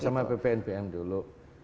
sama ppnbm dulu